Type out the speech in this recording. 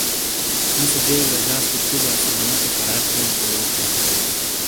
موسے جیک رجاس تو تُو گہ اسلماٹے کراٹ بئیں تو یوک تھم